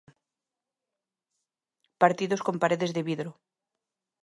Partidos con paredes de vidro.